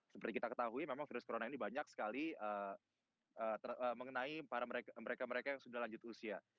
seperti kita ketahui memang virus corona ini banyak sekali mengenai mereka mereka yang sudah lanjut usia